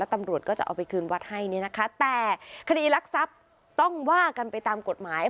ตำรวจก็จะเอาไปคืนวัดให้เนี่ยนะคะแต่คดีรักทรัพย์ต้องว่ากันไปตามกฎหมาย